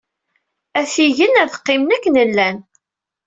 Atigen ad qqimen akken llan.